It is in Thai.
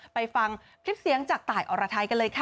ไปฟังคลิปเสียงจากตายอรไทยกันเลยค่ะ